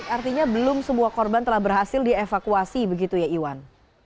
artinya belum semua korban telah berhasil dievakuasi begitu ya iwan